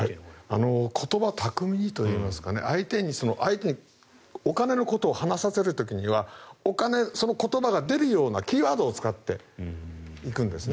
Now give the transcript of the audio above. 言葉巧みにといいますか相手にお金のことを話させる時にはお金、その言葉が出るようなキーワードを使っていくんです。